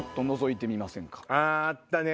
あったね！